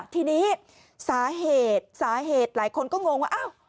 ทีนี้สาเหตุสาเหตุหลายคนก็งงว่าอ้าว